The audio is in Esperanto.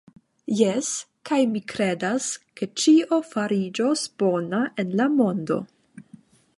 Jes, kaj mi kredas, ke ĉio fariĝos bona en la mondo.